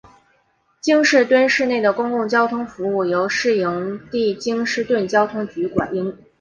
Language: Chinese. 京士顿市内的公共交通服务由市营的京士顿交通局营运。